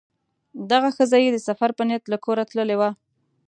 دغه ښځه یې د سفر په نیت له کوره تللې وه.